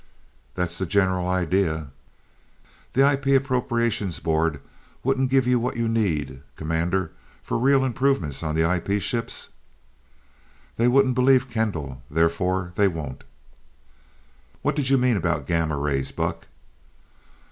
"That's the general idea." "The IP Appropriations Board won't give you what you need, Commander, for real improvements on the IP ships?" "They won't believe Kendall. Therefore they won't." "What did you mean about gamma rays, Buck?"